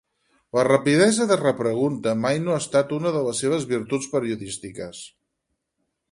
La rapidesa de repregunta mai no ha estat una de les seves virtuts periodístiques.